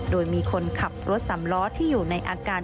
โดยมีคนขับรถสำล้อที่อยู่ในอาการ